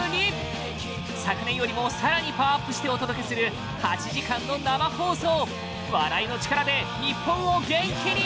昨年よりもさらにパワーアップしてお届けする８時間の生放送笑いの力で日本を元気に！